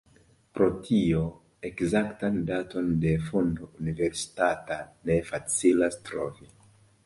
Pro tio ekzaktan daton de fondo Universitata ne facilas trovi.